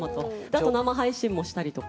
あと生配信もしたりとか。